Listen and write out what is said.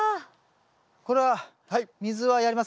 これは水はやりますか？